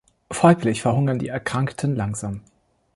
Folglich verhungern die Erkrankten langsam.